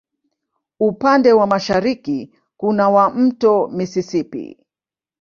Upande wa mashariki kuna wa Mto Mississippi.